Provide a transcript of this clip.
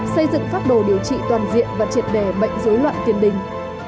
xây dựng pháp đồ điều trị toàn diện và triệt đề bệnh dối loạn tiền đình